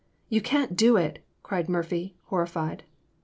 You can't do it !" cried Murphy, horrified.